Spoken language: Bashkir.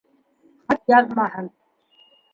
Хат яҙмаһын.